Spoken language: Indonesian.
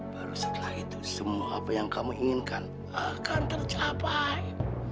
baru setelah itu semua apa yang kamu inginkan akan tercapai